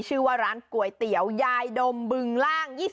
ชื่อว่าร้านก๋วยเตี๋ยวยายดมบึงล่าง